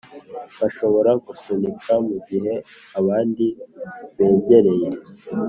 bashobora gusunika mugihe abandi begereye